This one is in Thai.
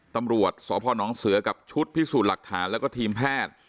ตำรวจสพนเสือกับชุดพิสูจน์หลักฐานแล้วก็ทีมแพทย์